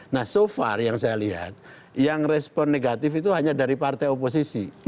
nah so far yang saya lihat yang respon negatif itu hanya dari partai oposisi